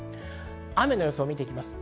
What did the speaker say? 雨の予想を見ていきます。